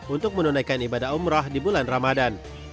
untuk menunaikan ibadah umroh di bulan ramadan